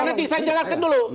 nanti saya jelaskan dulu